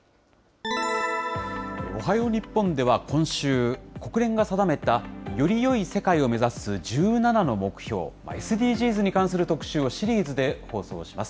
おはよう日本では今週、国連が定めたよりよい世界を目指す１７の目標、ＳＤＧｓに関する特集をシリーズで放送します。